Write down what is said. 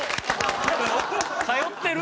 通ってる？